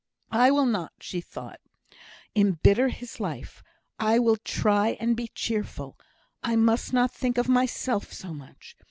"I will not," thought she, "embitter his life; I will try and be cheerful. I must not think of myself so much.